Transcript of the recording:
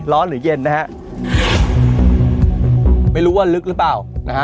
หรือเย็นนะฮะไม่รู้ว่าลึกหรือเปล่านะฮะ